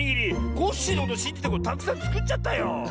コッシーのことしんじてたくさんつくっちゃったよ。